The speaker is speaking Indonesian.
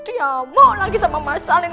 diamu lagi sama masalah ini